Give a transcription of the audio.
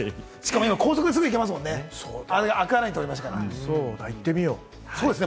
しかも今、高速ですぐ行けますもんね。